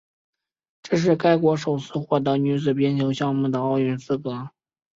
这是该国首次获得女子冰球项目的奥运资格。